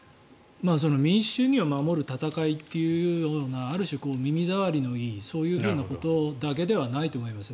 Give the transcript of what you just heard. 民主主義を守る戦いというのがある種、耳障りのようにそういうふうなことだけではないと思います。